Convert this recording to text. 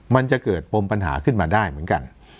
มันจะเกิดปมปัญหาขึ้นมาได้เหมือนกัน